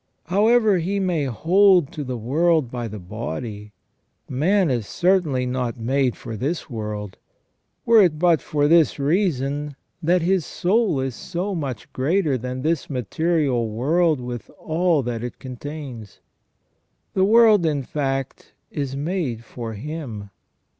However he .may hold to the world by the body, man is cer tainly not made for this world, were it but for this reason, that his soul is so much greater than this material world with all that it contains. The world in fact is made for him.